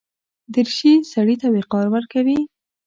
دریشي سړي ته وقار ورکوي.